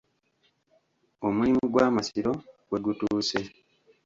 Omulimu gw’amasiro we gutuuse